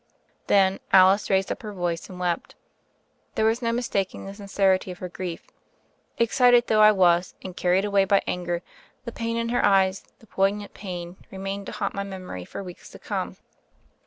Then Alice raised up her voice and wept. There was no mistaking the sincerity of her grief. Excited though I was, and carried away by anger, the pain in her eyes, the poignant pain, remained to haunt my memory for weeks to come.